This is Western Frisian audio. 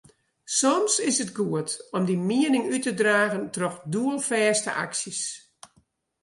Soms is it goed om dyn miening út te dragen troch doelfêste aksjes.